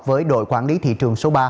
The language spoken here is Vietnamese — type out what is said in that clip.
với đội quản lý thị trường số ba